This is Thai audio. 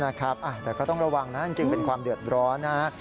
แต่ก็ต้องระวังนะจริงเป็นความเดือดร้อนนะฮะ